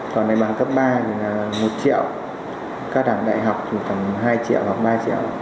còn này bằng cấp ba thì là một triệu các đảng đại học thì tầm hai triệu hoặc ba triệu